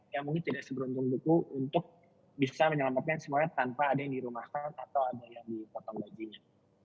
yang mungkin tidak seberuntung buku untuk bisa menyelamatkan semuanya tanpa ada yang dirumahkan atau ada yang dipotong bajunya